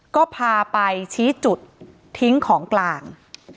ก็พาไปชี้จุดทิ้งของกลาง